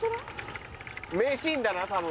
名シーンだな多分。